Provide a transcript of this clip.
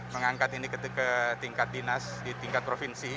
mengangkat ini ke tingkat dinas di tingkat provinsi